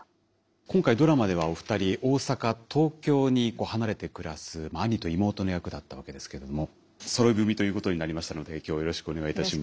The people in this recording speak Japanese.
今回ドラマではお二人大阪東京に離れて暮らす兄と妹の役だったわけですけどもそろい踏みということになりましたので今日はよろしくお願いいたします。